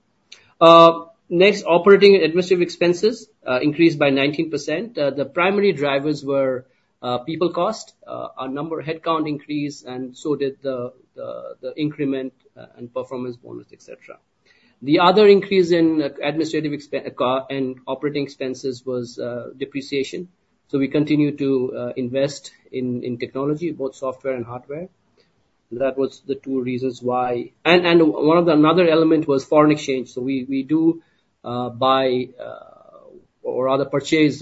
Speaker 10: Next, operating and administrative expenses increased by 19%. The primary drivers were people cost, our number headcount increase, and so did the increment and performance bonus, etc. The other increase in administrative and operating expenses was depreciation. So we continue to invest in technology, both software and hardware. That was the two reasons why. And one of the another element was foreign exchange. So we do buy or rather purchase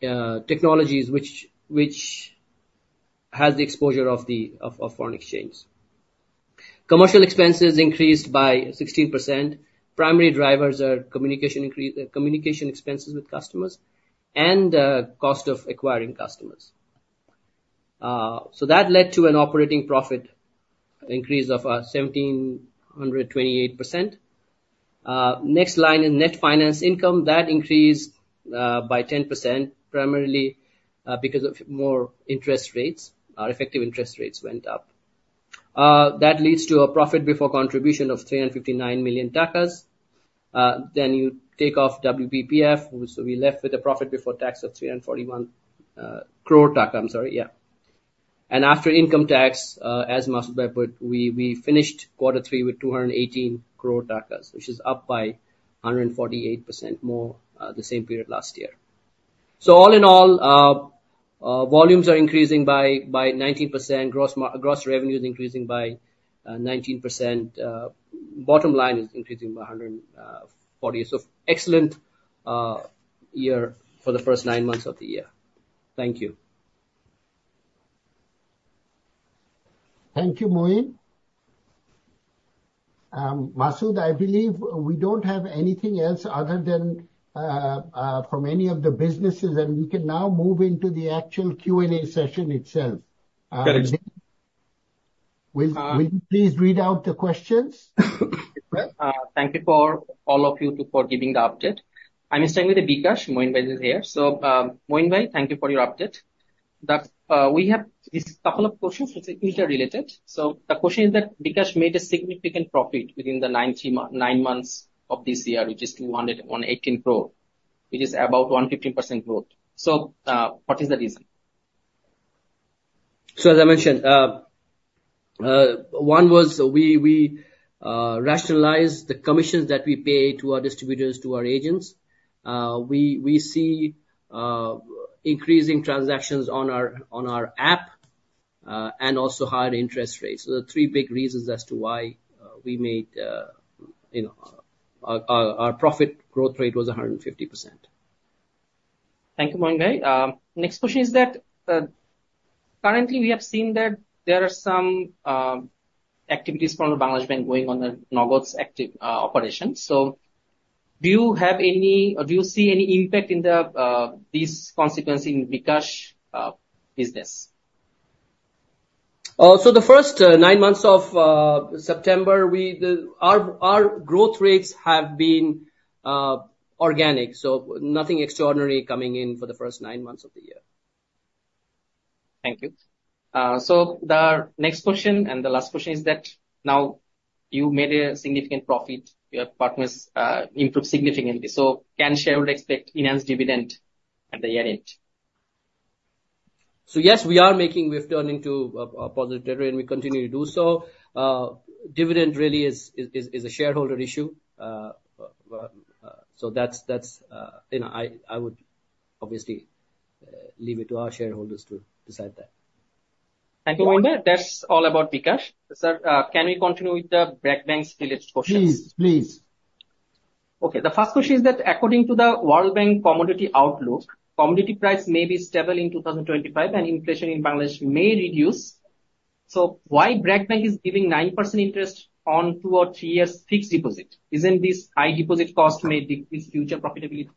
Speaker 10: technologies which has the exposure of foreign exchange. Commercial expenses increased by 16%. Primary drivers are communication expenses with customers and cost of acquiring customers. So that led to an operating profit increase of 1,728%. Next line is net finance income. That increased by 10% primarily because of more interest rates. Our effective interest rates went up. That leads to a profit before contribution of BDT 359 million. Then you take off WBPF. So we left with a profit before tax of BDT 341 crore. I'm sorry. Yeah. After income tax, as Masud Bhai put, we finished quarter three with BDT 218 crore Takas, which is up by 148% more the same period last year. All in all, volumes are increasing by 19%. Gross revenue is increasing by 19%. Bottom line is increasing by 140%. Excellent year for the first nine months of the year. Thank you.
Speaker 1: Thank you, Mohin. Masud, I believe we don't have anything else other than from any of the businesses, and we can now move into the actual Q&A session itself.
Speaker 10: Got it.
Speaker 1: Will you please read out the questions?
Speaker 2: Thank you for all of you for giving the update. I'm staying with bKash. Mohin Bhai is here. Mohin Bhai, thank you for your update. We have this couple of questions. It's interrelated. The question is that bKash made a significant profit within the nine months of this year, which is 218 crore, which is about 115% growth. What is the reason? So as I mentioned, one was we rationalized the commissions that we pay to our distributors, to our agents. We see increasing transactions on our app and also higher interest rates. So the three big reasons as to why we made our profit growth rate was 150%. Thank you, Mohin Bhai. Next question is that currently we have seen that there are some activities from the Bangladesh Bank going on the Nagad's operation. So do you have any or do you see any impact in these consequences in bKash business? So the first nine months of September, our growth rates have been organic. So nothing extraordinary coming in for the first nine months of the year. Thank you. So the next question and the last question is that now you made a significant profit. Your partners improved significantly. So can shareholders expect enhanced dividend at the year-end? So yes, we've turned into a positive territory, and we continue to do so. Dividend really is a shareholder issue. So that's, I would obviously leave it to our shareholders to decide that. Thank you, Mohin Bhai. That's all about bKash. Sir, can we continue with the BRAC Bank's related questions?
Speaker 1: Please, please.
Speaker 2: Okay. The first question is that according to the World Bank commodity outlook, commodity price may be stable in 2025, and inflation in Bangladesh may reduce. So why BRAC Bank is giving 9% interest on two or three years fixed deposit? Isn't this high deposit cost may decrease future profitability?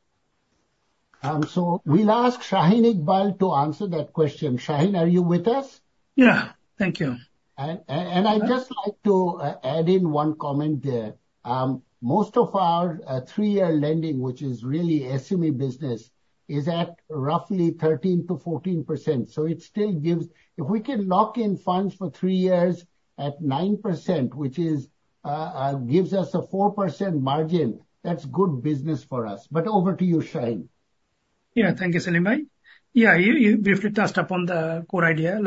Speaker 1: So we'll ask Shaheen Iqbal to answer that question. Shaheen, are you with us?
Speaker 3: Yeah. Thank you.
Speaker 1: And I'd just like to add in one comment there. Most of our three-year lending, which is really SME business, is at roughly 13%-14%. So it still gives if we can lock in funds for three years at 9%, which gives us a 4% margin, that's good business for us. But over to you, Shaheen.
Speaker 3: Yeah. Thank you, Selim Bhai. Yeah, you briefly touched upon the core idea.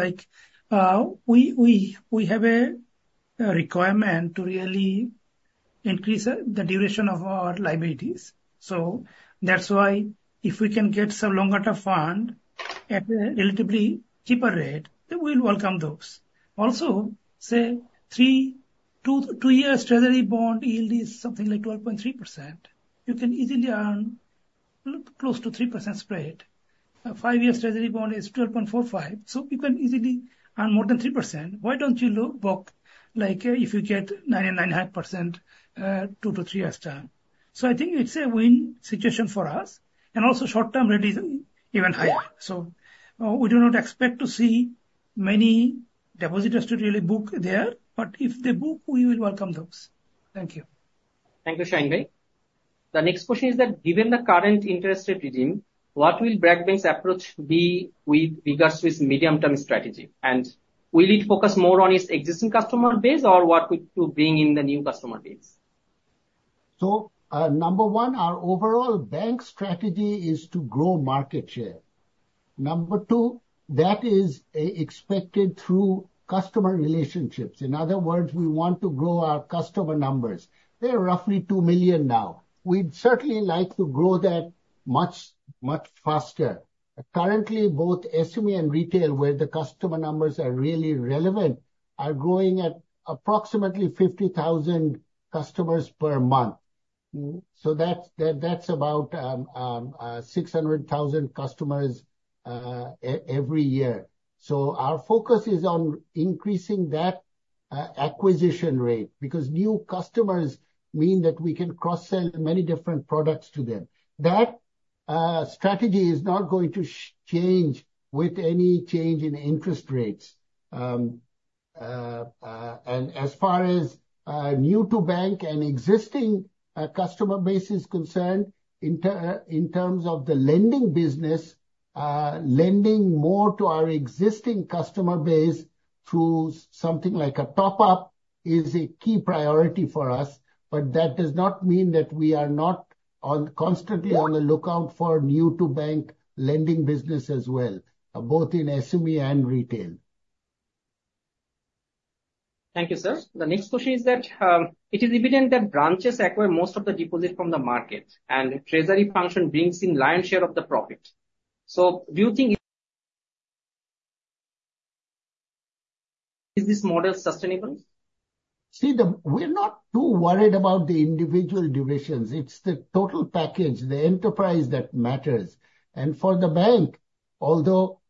Speaker 3: We have a requirement to really increase the duration of our liabilities. So that's why if we can get some longer-term fund at a relatively cheaper rate, we'll welcome those. Also, say, two-year treasury bond yield is something like 12.3%. You can easily earn close to 3% spread. Five-year treasury bond is 12.45%. So you can easily earn more than 3%. Why don't you book if you get 9 and 9.5% two to three years time? So I think it's a win situation for us. And also, short-term rate is even higher. So we do not expect to see many depositors to really book there. But if they book, we will welcome those. Thank you.
Speaker 2: Thank you, Shaheen Bhai. The next question is that given the current interest rate regime, what will BRAC Bank's approach be with regards to its medium-term strategy? And will it focus more on its existing customer base or what to bring in the new customer base?
Speaker 1: Number one, our overall bank strategy is to grow market share. Number two, that is expected through customer relationships. In other words, we want to grow our customer numbers. They're roughly 2 million now. We'd certainly like to grow that much faster. Currently, both SME and retail, where the customer numbers are really relevant, are growing at approximately 50,000 customers per month. That's about 600,000 customers every year. Our focus is on increasing that acquisition rate because new customers mean that we can cross-sell many different products to them. That strategy is not going to change with any change in interest rates. And as far as new-to-bank and existing customer base is concerned, in terms of the lending business, lending more to our existing customer base through something like a top-up is a key priority for us. But that does not mean that we are not constantly on the lookout for new-to-bank lending business as well, both in SME and retail.
Speaker 2: Thank you, sir. The next question is that it is evident that branches acquire most of the deposit from the market, and treasury function brings in lion's share of the profit. So do you think this model is sustainable?
Speaker 1: See, we're not too worried about the individual durations. It's the total package, the enterprise that matters. And for the bank, although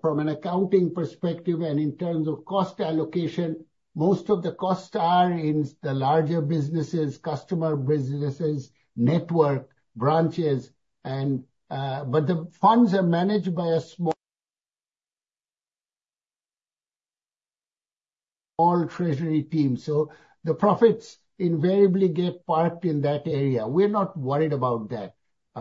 Speaker 1: from an accounting perspective and in terms of cost allocation, most of the costs are in the larger businesses, customer businesses, network, branches. But the funds are managed by a small treasury team. So the profits invariably get parked in that area. We're not worried about that.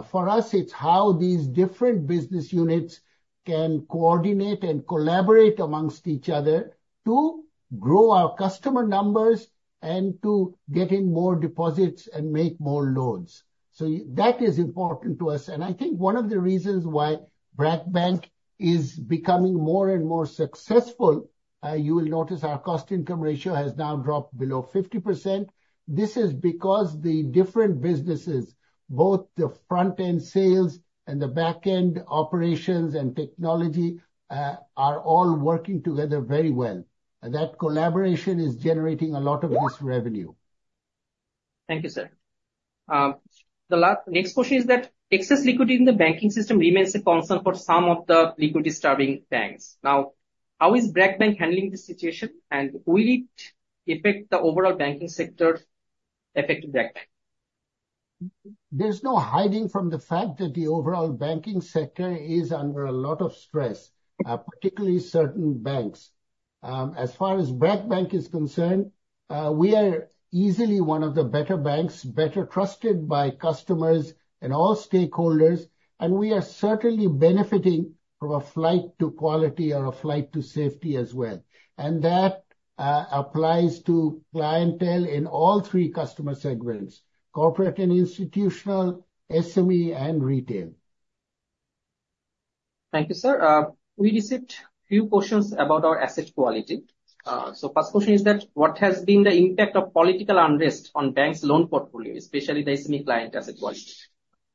Speaker 1: For us, it's how these different business units can coordinate and collaborate amongst each other to grow our customer numbers and to get in more deposits and make more loans. So that is important to us. And I think one of the reasons why BRAC Bank is becoming more and more successful, you will notice our cost-income ratio has now dropped below 50%. This is because the different businesses, both the front-end sales and the back-end operations and technology, are all working together very well. And that collaboration is generating a lot of this revenue.
Speaker 2: Thank you, sir. The next question is that excess liquidity in the banking system remains a concern for some of the liquidity-starving banks. Now, how is BRAC Bank handling the situation, and will it affect the overall banking sector affected by BRAC Bank?
Speaker 1: There's no hiding from the fact that the overall banking sector is under a lot of stress, particularly certain banks. As far as BRAC Bank is concerned, we are easily one of the better banks, better trusted by customers and all stakeholders, and we are certainly benefiting from a flight to quality or a flight to safety as well, and that applies to clientele in all three customer segments: corporate and institutional, SME, and retail.
Speaker 2: Thank you, sir. We received a few questions about our asset quality. So first question is that what has been the impact of political unrest on banks' loan portfolio, especially the SME client asset quality?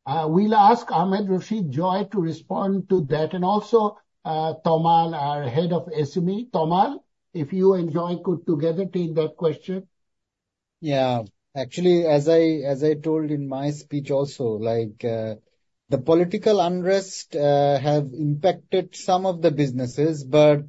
Speaker 1: We'll ask Ahmed Rashid Joy to respond to that and also, Tomal, our Head of SME. Tomal, if you and Joy could together take that question.
Speaker 5: Yeah. Actually, as I told in my speech also, the political unrest has impacted some of the businesses, but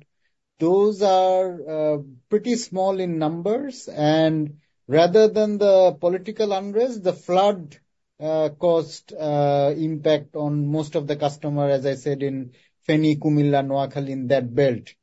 Speaker 5: those are pretty small in numbers, and rather than the political unrest, the flood caused impact on most of the customers, as I said, in Feni, Cumilla, Noakhali, in that belt,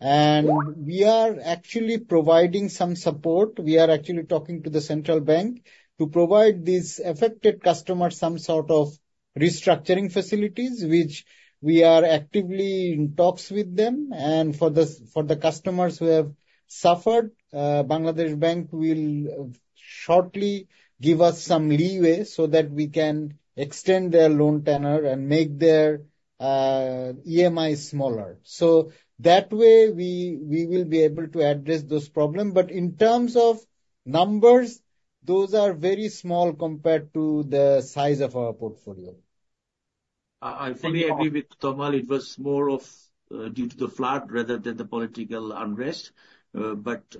Speaker 5: and we are actually providing some support. We are actually talking to the central bank to provide these affected customers some sort of restructuring facilities, which we are actively in talks with them, and for the customers who have suffered, Bangladesh Bank will shortly give us some leeway so that we can extend their loan tenor and make their EMI smaller, so that way, we will be able to address those problems, but in terms of numbers, those are very small compared to the size of our portfolio.
Speaker 8: I fully agree with Tomal. It was more due to the flood rather than the political unrest. But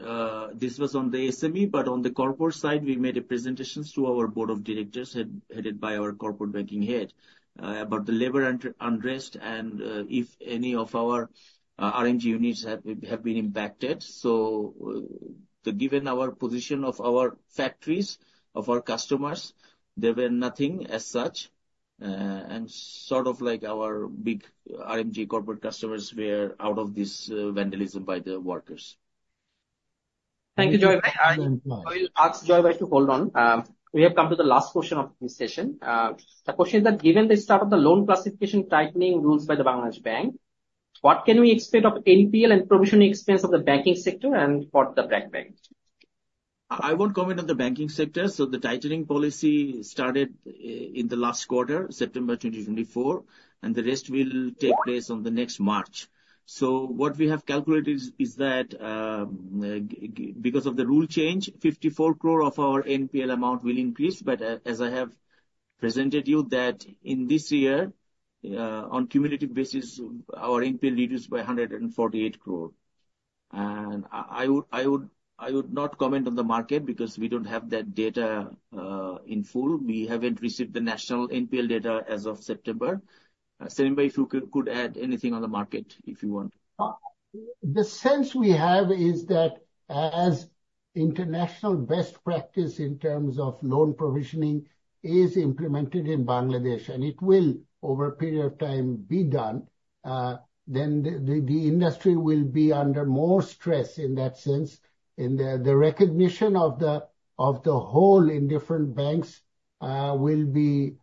Speaker 8: this was on the SME. But on the corporate side, we made a presentation to our board of directors headed by our corporate banking head about the labor unrest and if any of our RMG units have been impacted. So given our position of our factories, of our customers, there were nothing as such. And sort of like our big RMG corporate customers were out of this vandalism by the workers.
Speaker 2: Thank you, Joy Bhai. I will ask Joy Bhai to hold on. We have come to the last question of this session. The question is that given the start of the loan classification tightening rules by the Bangladesh Bank, what can we expect of NPL and provisioning experience of the banking sector and for the BRAC Bank?
Speaker 8: I won't comment on the banking sector, so the tightening policy started in the last quarter, September 2024, and the rest will take place on the next March, so what we have calculated is that because of the rule change, BDT 54 crore of our NPL amount will increase, but as I have presented you, that in this year, on cumulative basis, our NPL reduced by BDT 148 crore, and I would not comment on the market because we don't have that data in full. We haven't received the national NPL data as of September. Selim Bhai, if you could add anything on the market if you want.
Speaker 1: The sense we have is that as international best practice in terms of loan provisioning is implemented in Bangladesh, and it will over a period of time be done, then the industry will be under more stress in that sense. And the recognition of the whole in different banks will be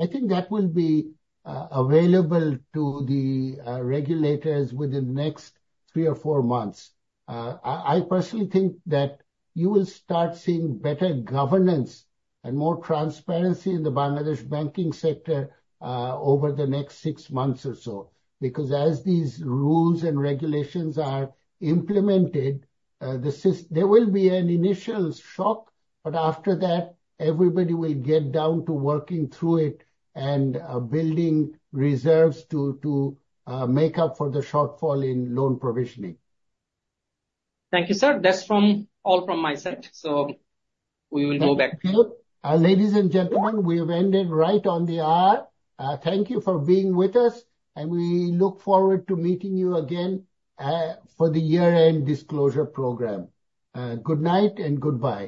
Speaker 1: I think that will be available to the regulators within the next three or four months. I personally think that you will start seeing better governance and more transparency in the Bangladesh banking sector over the next six months or so. Because as these rules and regulations are implemented, there will be an initial shock. But after that, everybody will get down to working through it and building reserves to make up for the shortfall in loan provisioning.
Speaker 2: Thank you, sir. That's all from my side. So we will go back.
Speaker 1: Ladies and gentlemen, we have ended right on the hour. Thank you for being with us. And we look forward to meeting you again for the year-end disclosure program. Good night and goodbye.